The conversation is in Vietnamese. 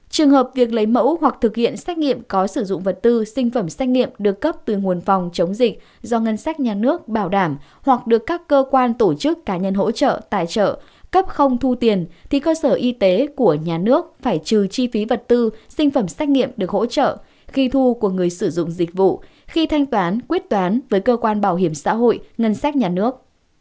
trường hợp việc lấy mẫu hoặc thực hiện xét nghiệm có sử dụng vật tư sinh phẩm xét nghiệm được cấp từ nguồn phòng chống dịch do ngân sách nhà nước bảo đảm hoặc được các cơ quan tổ chức cá nhân hỗ trợ tài trợ cấp không thu tiền thì cơ sở y tế của nhà nước phải trừ chi phí vật tư sinh phẩm xét nghiệm được hỗ trợ khi thu của người sử dụng dịch vụ khi thanh toán quyết toán với cơ quan bảo hiểm xã hội ngân sách nhà nước